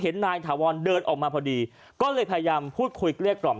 นายถาวรเดินออกมาพอดีก็เลยพยายามพูดคุยเกลี้ยกล่อม